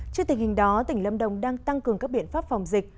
trước tình hình đó tỉnh lâm đồng đang tăng cường các biện pháp phòng dịch